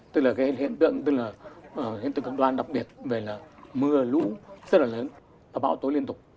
tức là hiện tượng cực đoan đặc biệt về mưa lũ rất là lớn và bão tố liên tục